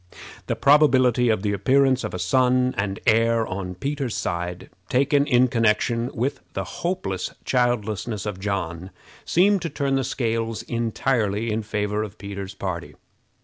The probability of the appearance of a son and heir on Peter's side, taken in connection with the hopeless childlessness of John, seemed to turn the scales entirely in favor of Peter's party.